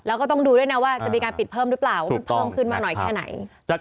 แล้วก็ต้องดูด้วยนะว่าจะมีการปิดเพิ่มหรือเปล่าว่ามันเพิ่มขึ้นมากหน่อยแค่ไหน